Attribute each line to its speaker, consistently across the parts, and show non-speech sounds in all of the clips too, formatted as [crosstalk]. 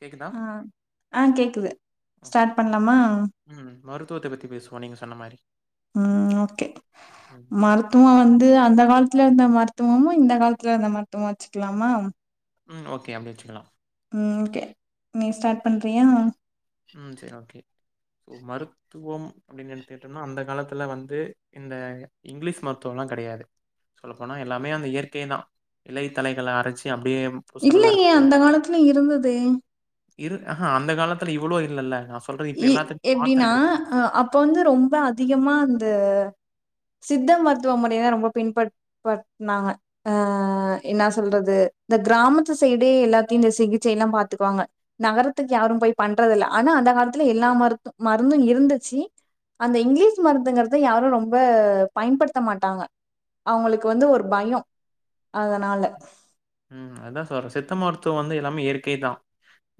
Speaker 1: கேக்குதா?
Speaker 2: ஆ ஆ கேக்குது
Speaker 1: ஓகே.
Speaker 2: ஸ்டார்ட் பண்ணலாமா?
Speaker 1: ம் மருத்துவத்தை பத்தி பேசுவோம் நீங்க சொன்ன மாரி
Speaker 2: ம் ஓகே
Speaker 1: ம்.
Speaker 2: மருத் துவோம் வந்து அந்த காலத்துல இருந்த மருத்துவமும் இந்த காலத்துல இருந்த மருத்துவம் வச்சுக்கலாமா?
Speaker 1: ம் ஓகே அப்டி வச்சுக்கலாம்.
Speaker 2: ம் ஓகே நீ ஸ்டார்ட் பண்றியா?
Speaker 1: ம் செரி ஓகே சோ மருத் த்துவோம் அப்டின்னு எடுத்துட்டோம்னா அந்த காலத்துல வந்து இந்த இங்கிலீஷ் மருத்துவம்லாம் கெடையாது சொல்லப்போனா எல்லாமே அந்த இயற்கை தான் இலைத்தலைகளை அரைச்சி அப்டியே பூசுறதா
Speaker 2: இல்லையே
Speaker 1: இருக்கட்டும்.
Speaker 2: அந்த காலத்துல இருந்துதே
Speaker 1: இரு அ அந்த காலத்துல இவ்வளோ இல்லல்ல நா சொ
Speaker 2: இ எப்டின்னா ஆ அப்ப வந்து ரொம்ப அதிகமா அந்த சித்த மருத்துவ முறை தா ரொம்ப பின் பட் பட்னாங்க அ என்னா சொல்றது இந்த க்ராமத்து சைடே எல்லாத்தையு இந்த சிகிச்ச எல்லா பாத்துக்குவாங்க நகரத்துக்கு யாரு போய் பண்றது இல்ல ஆனா அந்த காலத்துல எல்லா மருத்து மருந்தும் இருந்துச்சு அந்த இங்கிலீஷ் மருந்துங்கறத யாரு ரொம்ப பயன்படுத்த மாட்டாங்க அவுங்களுக்கு வந்து ஒரு பயயோ அதனால
Speaker 1: ம் அதா சொல்றே சித்த மருத்துவோ வந்து எல்லாமே இயற்கை தா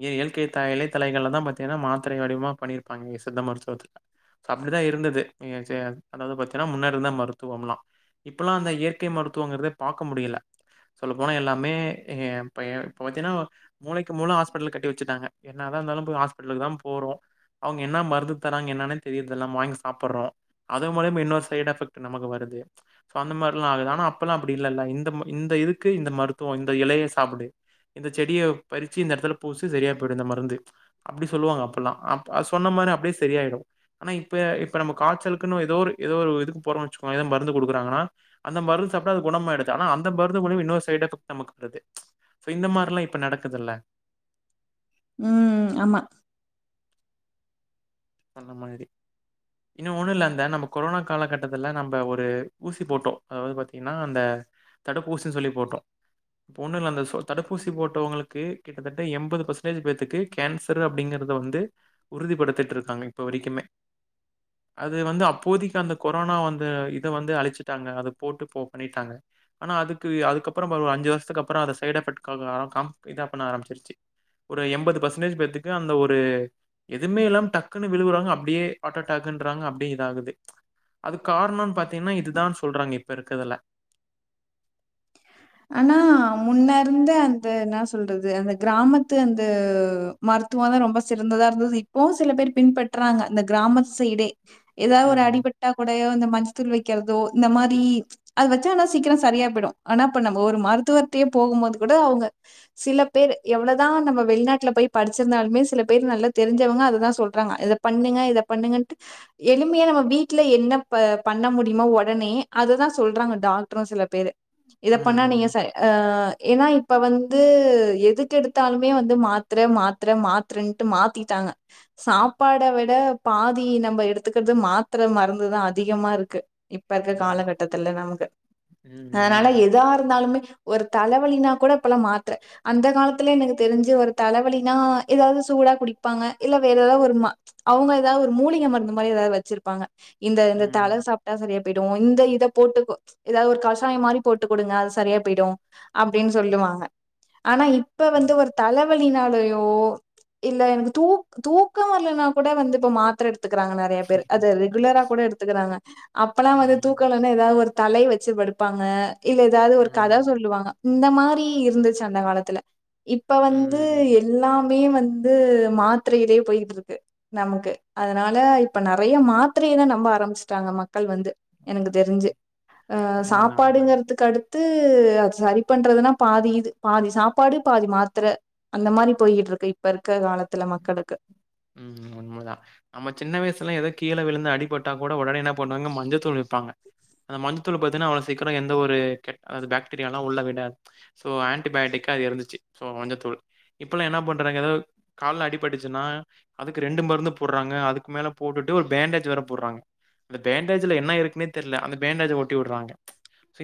Speaker 1: இ இயற்கை த இலை தலைகள்ல தா பாத்தீங்கன்னா மாத்திர வடிவமா பண்ணியிருப்பாங்க சித்த மருத்துவத்துல ஸோ அப்டிதா இருந்தது நீ [unintelligible] அதாவ்து பத்தீங்கன்னா முன்னாடி இருந்த மருத்துவம்லா இப்பல்லா அந்த இயற்கை மருத்துவங்கிறத பாக்க முடியில சொல்ல போனா எல்லா மே எ பைய இப்ப பாத்தின மூளைக்கு மூள ஹாஸ்பிடல் கட்டிவச்சுட்டாங்க என்னதா இருந்தாலு போய் ஹாஸ்பிட்டலுக்குதா போறோ அவுங்க என்ன மருந்து தராறங்க என்னானே தெரியறது இல்ல நம்ம வாங்கி சாப்ட்டுறோ அது மூலியமா இன்னொரு சைடு் எஃபெக்ட்டு நமக்கு வருது சோ அந்த மார்லா ஆகுது ஆனா அப்பெல்லாம் அப்படி இல்லல்ல இந்த ம இந்த இதுக்கு இந்த மருத்துவொ இந்த இலைய சாப்பிடு இந்த செடிய பறிச்சு இந்த எடத்துல பூசு சரியா போய்டு இந்த மருந்து அப்டி சொல்லுவாங்க அப்பெல்லா அப் அது சொன்ன மாதிரி அப்டியே சரியயிடு ஆனா இப்ப இப்ப நம்ம காச்சலுக்குன்னு ஏதோ ஒரு ஏதோ ஒரு இதுக்கு போறோ வச்சுக்கோங்க ஏதோ மருந்து குடுக்குறாங்கன்னா அந்த மருந்து சாப்ட்ட அது குணமயிடுது ஆன அந்த மருந்து மூலியமா இன்னொரு சைடுஎபெக் நமக்கு [unintelligible] ஸோ இந்த மார்ல்லா இப்ப நடக்குதுல்ல
Speaker 2: ம் ம் ஆமா
Speaker 1: அந்த மாதிரி இன்னு ஒண்ணு இல்ல அந்த நம்ம கொரோனா காலகட்டத்துல நம்ம ஒரு ஊசி போட்டோ அதாவ்து பாத்தீங்கன்னா அந்த தடுப்பூசின் சொல்லி போட்டோ ஒன்னு இல்ல அந்த ஸோ தடுப்பூசி போட்டவங்களுக்கு கிட்டத்தட்ட எண்பது பெர்சன்டேஜ் பேத்துக்கு கேன்சரு அப்டிங்கறத வந்து உறுதிப்படுத்திட்டு இருக்காங்க இப்ப வரைக்குமே அது வந்து அப்போதிக்கு அந்த கொரோனா வந்து இத வந்து அழிச்சுட்டாங்க அத போட்டு போ பண்ணிட்டாங்க ஆனா அதுக்கு அதுக்குதுக்கப்பறோ ஒரு ஆஞ்சு வர்ஷத்துக்கு அப்றோ அத சைட எஃபெக்ட்காக [inaudible] காம் இதா பண்ண ஆரம்பச்சிருச்சு ஒரு எண்பது பெர்சன்டேஜ் பேத்துக்கு அந்த ஒரு எதுமே இல்லா டக் க்குன்னு விழுவுறாங்க அப்டியே ஹார்ட்டாக்குன்றாங்க அப்டியே இதகுது அது கார்ணோன் பாத்தீங்கன்னா இதுதான்னு சொல்றாங்க இப்ப இருக்கறதுல
Speaker 2: ஆனா முன்ன இருந்த அந்த என்ன சொல்றது அந்த க்ராமத்து அந்த மருத்துவோ தா ரொம்ப சிறந்ததா இருந்தது இப்பவு சில பேர் பின்பற்றுறாங்க இந்த க்ராமத்துசைடே ஏதாவு ஒரு
Speaker 1: ம்.
Speaker 2: அடிபட் பட்டா கூடயோ இந்த மஞ்ச தூள் வைக்கிறதோ இந்த மாரி அது வச்சா ஆனா சீக்கிர சரியா போட்டு ஆனா இப்ப நம்ம ஒரு மருத்துவர்ட்டாயே போகு போது கூட அவுங்க சில பேர் எவ்வளவுதா நம்ம வெளிநாட்டுல போய் படிச்சிருந்தாலுமே சில பேர் நல்லா தெரிஞ்சவங்க அது தா சொல்றாங்க இத பண்ணுங்க இத பண்ணுங்கன்ட்டு எளிமையா நம்ம வீட்ல என்ன ப பண்ண முடியுமோ ஓடனே அதுதா சொல்றாங்க டாக்ட்ரு சில பேரு இத
Speaker 1: ம்.
Speaker 2: பண்ணா நீங்க
Speaker 1: ம்.
Speaker 2: ச ஆ ஏன்னா இப்ப வந்து எதுக்கெடுத்தாலுமே வந்து மாத்ர மாத் மாத்திர மாத்திரண்டு மாத்திட்டாங்க சாப்பாட விட பாதி நம்ப எடுத்துக்றிறது மாத்திர மருந்துதா அதிகமா இருக்கு இப்ப இருக்க
Speaker 1: ஆமா.
Speaker 2: காலகட்டத்துல நமக்கு அதனால
Speaker 1: ம்.
Speaker 2: எதுக் ஏதா இருந்தாலுமே ஒரு தலவழினா கூட இப்பலா மாத்தர அந்த காலத்துல எனக்கு தெரிஞ்சு ஒரு தலவலினா ஏதாவ்து சூடா குடிப்பாங்க இல்ல வேற ஏதா ஒரு ம அவுங்க ஏதாவது ஒரு மூலிகை மருந்து மாரி ஏதாவது வச்சிருப்பாங்க இந்த
Speaker 1: ம்.
Speaker 2: இந்த தலை
Speaker 1: ம்.
Speaker 2: சாப்பிட்டா சரியா போய்டும் இந்த இதை போட்டு ஏதாவது ஒரு கஷாயம் மாரி போட்டு க்குடுங்க அது சரியா போய்டும் அப்டின்னு சொல்லுவாங்க ஆனா இப்ப
Speaker 1: ம்.
Speaker 2: வந்து ஒரு தல வலினாலயோ இல்ல எனக்கு தூ தூக்கம் வரலைனா கூட வந்து இப்ப மாத்திர எடுத் த்துக்கிறாங்க நிறைய பேர் அதது ரெகுலரா கூட எடுத்துக்கிறாங்க அப்பல்லாம் வந்து
Speaker 1: ம்.
Speaker 2: தூக்க இல்ல ன்னு ஏதாவது ஒரு தலை வச்சு படுப்பாங்க இல்ல ஏதாவது ஒரு கத
Speaker 1: ம்.
Speaker 2: சொல்லுவாங்க இந்த மாரி இருந்துச்சு அந்த காலத்துல இப்ப வந்து
Speaker 1: ம்.
Speaker 2: எ எல்லாமே வந்து மாத்திரையிலயே போயிட்டு இருக்கு நமக்கு அதனால இப்ப நறைய மாத்திரையைதான் நம்ப ஆரம்பிச்சுட்டாங்க மக்கள் வந்து எனக்கு தெரிஞ்சி அ
Speaker 1: உண்மதான், உண்மதான்.
Speaker 2: சாப்பாடுங்கறிறதுக் கடுத்து அது சரி பண்றதுன்னா பாதி இது பாதி சாப்பாடு பாதி மாத்தர அந்த மாரி போயிட்டு இருக்கு இப்ப இருக்க காலத்துல மக்களுக்கு
Speaker 1: ம் ம் உண்மதா நம்ம சின்ன வயசுல்லாம் எதோ கீழே விழுந்து அடிப்பட்டா கூட உடன என்ன பண்ணுவாங்க மஞ்ச தூள் வெப்பாங்க அந்த மஞ்சத்தூள் பத்தீனா அவ்ளோ சீக்கிரோ எந்த ஒரு கெட் அது போக்டீரியால்லா உள்ள விடாது சோ ஆன்டிபயோட்டிக்கா அது இருந்துச்சி சோ மஞ்சத்தூள் இப்பல்லாம் என்ன பண்றாங்க ஏதாவது கால்ல அடிப்பட்டுச்சுன்னா அதுக்கு ரெண்டு மருந்து போடுறாங்க அதுக்கு மேல போட்டுட்டு ஒரு பேண்டேஜ் வேர போடுறாங்க அந்த பேண்டேஜ்ல என்ன இருக்குன்னே தெர்ல அந்த பேண்டேஜை ஒட்டி விடுறாங்க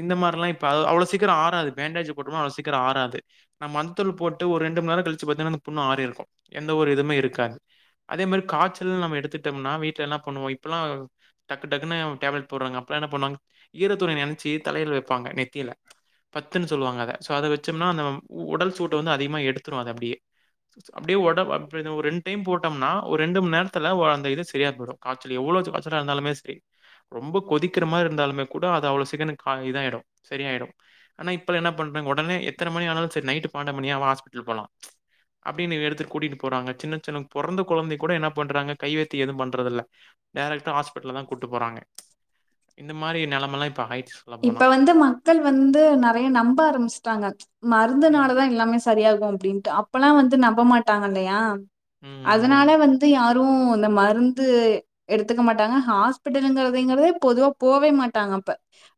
Speaker 1: இந்த மாதிரில்லாம் இப்ப அவ்ளோ சீக்கரம் ஆராது பேண்டேஜ் போட்டோனா அவ்ள சீக்கரம் ஆராது நம்ம மந்த்தூள் போட்டு ஒரு ரெண்டு மண் நேரம் கழுச்சு பாத்தீன்னா அந்த பொண்ணு ஆரிருக்கும் எந்த ஒரு இதுமே இருக்காது அதே மேர் காச்சல் நம்ம எடுத்துட்டோம்னா வீட்ல எல்லாம் பண்ணுவோம் இப்பெல்லாம் டக்கு டக்குன்ன டாப்லெட் போடுவாங்க அப்பலா என்ன பண்ணுவாங்க ஈரத்துணிய நினைச்சி தலையில வைப்பாங்க நெத்தியில பத்துன்னு சொல்லுவாங்க அத சோ அத வச்சோம்னா அந்த உடல் சூட்ட வந்து அதிகமா எடுத்துரும் அத அப்டியே அப்டியே உடம்ப அ ஒரு ரெண் டு டைம் போட்டோம்னா ஒரு ரெண்டு மண் நேரத்துல அந்த இது சரியா போய்டும் காச்சல் எவ்ளோ காச்சலா இருந்தாலுமே செரி ரொம்ப கொதிக்கிற மாரி இருந்தாலுமே கூட அது அவ்ளோ சீக்கிரோ கா இதாயிடும் சரியாயிடும் ஆனா இப்பலா என்ன பண்றாங்க உடனே எத்தன மணி ஆனாலும் செரி நைட்டு பண்ணண்டு மணியா வா ஹாஸ்பிட்டல் போலாம் அப்டினு எடுத்து கூட்டிட் போறாங்க சின்ன சார் அவுங் பொறந்த குழந்தை கூட என்ன பண்றாங்க கைவைத்தியோ எதுவும் பண்றதுல்ல டேரக்டா ஹாஸ்பிட்டல்ல தா கூட்டு போறாங்க இந்த மாரி நெலைம எல்லா இப்ப ஆயிட்ச்
Speaker 2: இப்ப வந்து மக்கள் வந்து நெறைய நம்ப ஆரம்பிச்சுட்டாங்க
Speaker 1: ம்.
Speaker 2: மருந்துனாலதா எல்லாமே சரியாகும் அப்டின்ட்டு அப்பல்லாம் வந்து நம்ப மாட்டாங்க இல்லையா அதனால
Speaker 1: ம்.
Speaker 2: வந்து யார் வும் இந்த மருந்து எடுத்துக்க மாட்டாங்க ஹாஸ்பிட்டலுங்கறதங்கிறதே பொதுவா போவே மாட்டாங்க அப்ப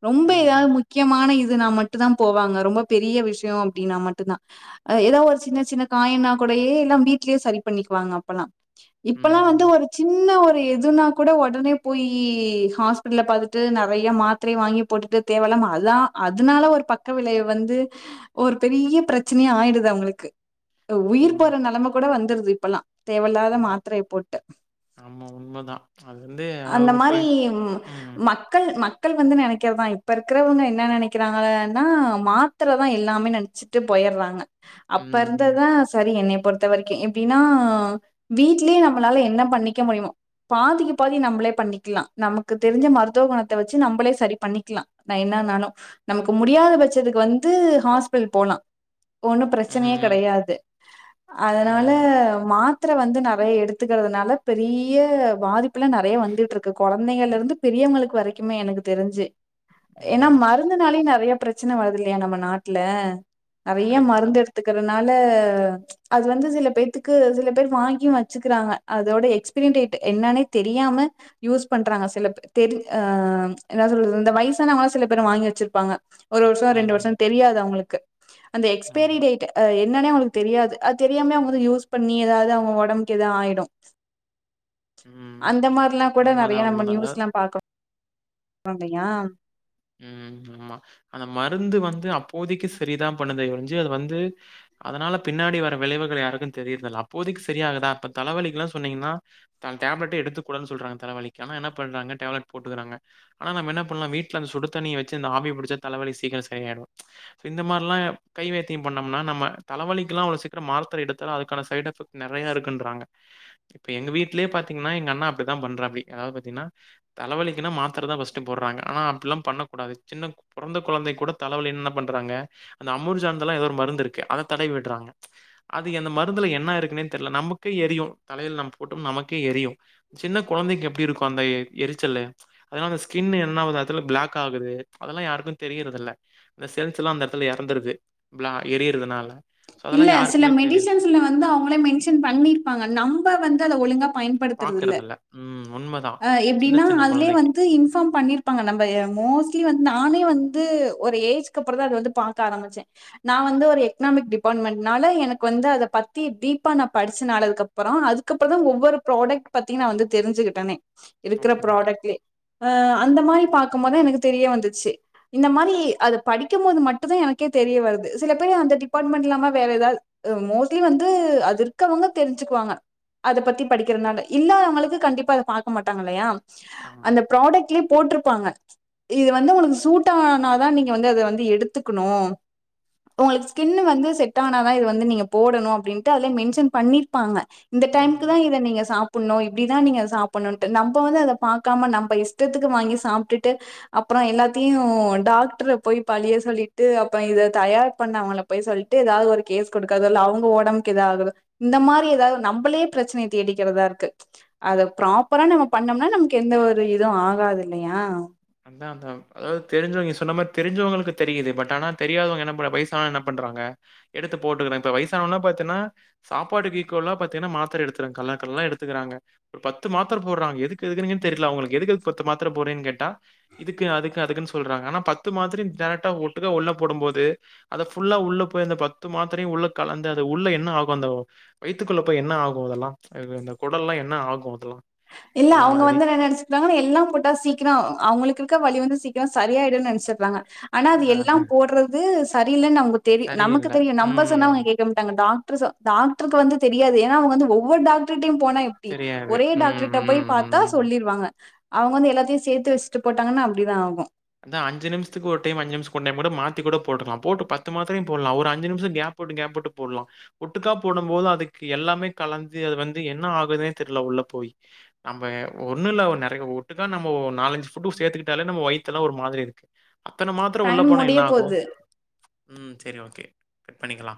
Speaker 2: ரொம்ப
Speaker 1: ம்.
Speaker 2: ஏதாவது முக்கியமான இது நா மட்டும் தா போவாங்க ரொம்ப பெரிய விஷயம் அப்டின்னா மட்டும்தா ஏதாவது ஒரு சின்ன சின்ன காயண்ணா கூடையே எல்லாம் வீட்லயே சரி பண்ணிக்குவாங்க அப்பல்லாம் இப்பல்லாம் வந்து
Speaker 1: ம். ம்.
Speaker 2: ஒரு சின்ன ஒரு எதுனா கூட உடனே போய் ஹாஸ்பிடல்ல பாத்துட்டு நெறைய மாத்திரையை வாங்கி போட்டுட்டு தேவலாம அதான் அதனால ஒரு பக்க விலைய வந்து ஒரு பெரிய பிரச்சனையா ஆயிடுது அவுங்களுக்கு உயிர்
Speaker 1: ம்.
Speaker 2: போற நெலமை கூட வந்துருது இப்பெல்லா தேவையில்லாத மாத்திரையை போட்டு
Speaker 1: ஆம உண்மதா அதுலயே
Speaker 2: அந்த மாரி மக்கள் மத் மக்கள் வந்து நெனைக்கிறதா இப்ப இருக்கிறவங்க என்ன நெனைக்கிறாங்கன்னா மாத்திரதா எல்லாமே நெனைச்சு ட்டு போயிறாங்க அப்ப இருந்த
Speaker 1: ம்.
Speaker 2: தா சரி என்னை பொறுத்த வரைக்கும் எப்டின்னா வீட்லயே நம்மளால என்ன பண்ணிக்க முடியுமும் பாதிக்கு பாதி நம்மளே பண்ணிக்கலாம் நமக்கு தெரிஞ்ச மருத்துவ குணத்தை வச்சு நம்மளே சரி பண்ணிக்கலாம் நா என்ன நானும் நமக்கு முடியாத பட்சத்துக்கு வந்து ஹாஸ்பிட்டல் போலா ஒன்னும் பிரச்சனையே
Speaker 1: ம்.
Speaker 2: கிடையாது அதனால
Speaker 1: உண்மதான்.
Speaker 2: மாத் த்திர வந்து நெறைய எடுத்துக்கிறதுனால பெரிய பாதிப்பு ல்லாம் நெறைய வந்துட்டு இருக்கு குழந்தைகள்ல இருந்து பெரியவங்களுக்கு வரைக்குமே எனக்கு தெரிஞ்சு ஏன்னா
Speaker 1: ஆமா.
Speaker 2: மருந்துனாலுயு நெறைய பிரச்சனை வருது இல்லையா நம்ம நாட்டுல நெறைய
Speaker 1: கரெக்ட்டு தான்.
Speaker 2: மருந்து எடுத்து எடுத்துக்கறனால.. அது வந்து சில பேத்துக்கு சில பேர் வாங்கி வச்சுக்கிறாங்க அதோட எக்ஸ்பீரி டேட் என்னானே தெரியாம யூஸ் பண்றாங்க சில தெரி அ என்ன சொல்றது இந்த வயசானவங்களாம் சில பேர் வாங்கி வச்சுருப்பாங்க ஒரு வருஷோ ஐரெண்டு
Speaker 1: ம்.
Speaker 2: வருஷோ தெரியாது அவுங்களுக்கு அந்த எக்ஸ்பைரி
Speaker 1: ஆமா.
Speaker 2: டேட் என்னன்னே அவுங்களுக்கு தெரியாது அது தெரியாம அவுங்க வந்து யூஸ் பண்ணி ஏதாவது அவுங்க உடம்புக்கு எதாவது ஆயிடும்
Speaker 1: ம்.
Speaker 2: அந்த மாரிலா கூட நெறைய
Speaker 1: உண்மதான்,
Speaker 2: நம்ம
Speaker 1: உண்மதான்.
Speaker 2: நியூஸ்
Speaker 1: அதாவது
Speaker 2: எல்லாம் பாக்குறோம் [unintelligible] யா
Speaker 1: உம் ஆமா அந்த மருந்து வந்து அப்போதைக்கு சரிதா பண்ணது ஒரிஞ்சு அது வந்து அதனால பின்னாடி வர விளைவுகள் யாருக்கும் தெரியரதில்ல அப்போதைக்கு சரி ஆகுதா இப்ப தலவலிக்கு எல்லாம் சொன்னீங்கன்னா டேப்லெட்ட எடுத்துக்க கூடாத் சொல்றங்க தலவலிக்கு ஆன என்ன பண்றாங்க டேப்லெட் போட்டுக்கறாங்க நம்ம என்ன பண்லாம் வீட் அந்த சுடு தண்ணியைச்சு அந்த ஆவி பிடிச்ச தலவலி சீக்ரோ சரியாயிடும் இந்த மாறில்லா கைவைத்தியோ பண்ணோம்னா நம்ம தலவலிக்கலா அவ்ளோ சீக்கிரம் மாத்திர எடுத்தா அதுக்கான சை ட் எஃபக்ட் நெறைய இருக்குன்றாங்க இப்ப எங்க வீட்லயே பாத்தீங்கன்னா எங்க அண்ணா அப்டிதான் பண்றாப்படி அதாவது பாத்தீங்கன்னா தலைவலிக்கன மாத்திர தான் ஃபஸ்ட் போடுறாங்க ஆனா அ ப்பல்லாம் பண்ணக்கூடாது சின்ன பிறந்த குழந்தை கூட தலைவலி என்ன பண்றாங்க? அந்த அமுர்ஜன்ந்தெல்லாம் ஏதோ ஒரு மருந்து இருக்கு அத தடவி விடுறாங்க. அது எந்த மருந்துல என்ன இருக்குன்னேு தெரியல நமக்கே எரியும் தலையையில நம்ம போட்டோம்னா நமக்கே எரியும் சின்ன குழந்தைங்க எப்டி இருக்கும் அந்த எரிச்சல்ல அதனால அந்த ஸ்கின் என்னாவ பிளாக் ஆகுது அதெல்லா யாருக்கு தெரியறது இல்ல இந்த சேல்ஸ் எல்லா அந்த எடத்துல இறந்துருது எரியிறதுனால
Speaker 2: இல்ல சில மெடிசன்ஸ்ல வந்து அவங்களே மென்ஷன் பண்ணிருப்பாங்க நம்ம வந்து அத ஒழுங்கா பயன்ப... படுத்துறது இல்ல
Speaker 1: பாக்கறதில்ல. ம். உண்மதான். சின்ன
Speaker 2: எப்டின்னா
Speaker 1: சின்ன
Speaker 2: அதுலயே
Speaker 1: குழந்தைக்கு.
Speaker 2: வந்து இன்ஃபார்ம் பண்ணிருக்க ப்பாங்க நம்ம மோஸ்ட்லி வந்து நானே வந்து ஒரு ஏஜ்க்கு அப்பறம் தா அத வந்து பாக்க ஆரம்பிச்சேன். நான் வந்து ஒரு எக்கனாமிக் டி டிபான்மெண்ட்னால எனக்கு வந்து அத பத்தி டீப்பா நா படிச்சினாலனதுக்க அப்பறம் அதுக்கப்பற தா ஒவ்வொரு ப்ராடக்ட் பாத்தீங்க நா வந்து தெரிஞ்சுக்கிட்டேனே இருக்கிற
Speaker 1: ஓகே, ஓகே.
Speaker 2: ப்ராடக்ட்லே அ அந்த மாரி பாக்கும் போதான் எனக்கு தெரிய வந்துச்சு இந்த மாரி அத படிக்கும் போது மட்டும் தா எனக்கே தெரிய வருது சில பேர் அந்த டிபா [unintelligible] வேற ஏதாவது மோஸ்ட்லி வந்து அது இருக்கவங்க தெரிஞ்சுக்குவாங்க அத பத்தி படிக்கிறதுனால இல்லாத அவங்களுக்கு கண்டிப்பா அத பாக்க மாட்டாங்க இல்லையா
Speaker 1: ஆமா.
Speaker 2: அந்த ப்ராடக்ட்லயே போட்டிருப்பாங்க. இது வந்து உனக்கு சூட் ஆனாதா நீங்க வந்து அத வந்து எடுத்துக்கணும் உங்களுக்கு.. ஸ்கின் வந்து செட் ஆனாதா இது வந்து நீங்க போடணும் அப்டின்னுட்டு அதுலயே மென்ஷன் பண்ணிருப்பாங்க. இந்த டைம்க்கு
Speaker 1: உண்ம.
Speaker 2: தா இத நீங்க சாப் பண்ணும் இப்படிதா நீங்க சாப்டணும்ன்ட்டு நம்ம வந்து அத பாக்காம நம்ம இஷ்டத்துக்கு வாங்கி சாப்ட்டுட்டு அப்பறம் எல்லாத்தையு டாக்டரை போய் பழிய சொல்லிட்டு அப்பறம் இத தயார் பண்ணவங்கள போய் சொல்லிட்டு ஏதாவது ஒரு கேஸ் கொடுக்காதுல்ல அவங்க ஓடம்புக்கு ஏத ஆகுது இந்த மாரி ஏதாவது நம்மளே பிரச்சனை தேடிக்கிறதா இருக்கு. அத ப்ராப்பரா நம்ம பண்ணோம்னா நமக்கு எந்த ஒரு இதுவு ஆகாது இல்லயா
Speaker 1: [unintelligible] அதாவது தெரிஞ்சவங்க சொன்ன மாரி தெரிஞ்சவங்களுக்கு தெரியுது பட் ஆனா தெரியாதவங்க என்ன வ வயசானவுங்க என்ன பண்றாங்க எடுத்து போட்டுக்கிற இப்ப வயசானோனா பாத்தின்னா சாப்பாடுக்கு ஈக்குவல்லா பாத்தீனா மாத்ர எடுத்துராங்க கல்லாகல்லா எடுத்துக்கிறாங்க ஒரு பத்து மாத்ர போடுறாங்க எதுக்கு எதுக்குனுகே தெர்ல அவுங்களுக்கு எதுக்கு பத்து மாத்ர போறீங்கன்னு கேட்டா இதுக்கு அதுக்கு அதுக்குனு சொல்றாங்க ஆனா பத்து மாத்ர டைரட்டா ஒட்டுக்கா உள்ள போடும்போது அத ஃபுல்லா உள்ள போயி அந்த பத்து மாத்திரையு உள்ள கலந்து அது உள்ள என்ன ஆகு அந்த வயித்துக்குள்ள போய் என்ன ஆகு அதெல்லா எனக்கு இந்த கொடல்லா என்ன ஆகு அதுல்லா
Speaker 2: இல்ல அவுங்க வந்து என்ன நெனச்சிக்றாங்க எல்லா போட்டா சீக்கிரோ அவுங்களுக்கு இருக்க வலி வந்து சீக்கிரோ சரியாயிடு நெனைச் [unintelligible] ஆனா அது எல்லா போடுறது சரியில்லனு அவுங்குளுக்கு தெரியு நமக்கு
Speaker 1: சரியில்ல.
Speaker 2: தெரியு நம்ப சொன்னா அவுங்க
Speaker 1: ம்.
Speaker 2: கேட்கமாட் டாங்க டாக்ட்ரு சொ டாக்ட்ருக்கு வந்து தெரியாது ஏனா அவுங்க வந்து ஒவ்வொரு டாக்டர்டியும் போனா எப்டி
Speaker 1: தெரியாது.
Speaker 2: ஒரே டாக்
Speaker 1: ம்,
Speaker 2: நா போயி
Speaker 1: ம்,
Speaker 2: பாத்தா
Speaker 1: ம்.
Speaker 2: சொல்லிருவாங்க அவுங்க வந்து எல்லாத்தையு சேத்து வச்சிட்டு போட்டாங்கன்னா அப்டிதா ஆகு
Speaker 1: அந்த அஞ்சு நிமிசத்துக்கு ஒரு டெயிம் அஞ்சு நிமிஷக்கு ஒன் டெயிம் கூட மாத்தி கூட போட்டுக்கலா போட்டு பத்து மாத்ரயு போடுலா ஒரு அஞ்சு நிமிஷோ கேப் கேப் வுட்டு போட்லா ஒட்டுக்கா போடும்போது அதுக்கு எல்லாமே கலந்து அது வந்து என்ன ஆகுதுன்னே தெர்ல உள்ள போயி நம்ப ஒன்னுல்ல ஒன் நெறையா ஒட்டுக்கா நம்ம ஒரு நாலஞ்சி ஃபுட்டு சே்த்துக்கிட்டாலே நம்ம வயித் இதெல்லா ஒரு மாதிரி இருக்கு அத்தன மாத்தர உள்ள
Speaker 2: டைம்
Speaker 1: போனா என்ன
Speaker 2: முடிய
Speaker 1: ஆகு
Speaker 2: போது
Speaker 1: ம் சரி ஓகே கட் பண்ணிக்லா